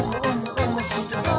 おもしろそう！」